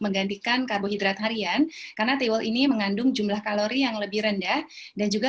menggantikan karbohidrat harian karena tiwul ini mengandung jumlah kalori yang lebih rendah dan juga